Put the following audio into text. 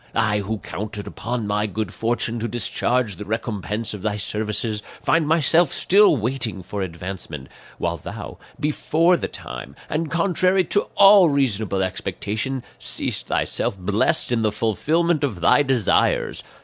I who counted upon my good fortune to discharge the recompense of thy services, find myself still waiting for advancement, while thou, before the time, and contrary to all reasonable expectation, seest thyself blessed in the fulfillment of thy desires.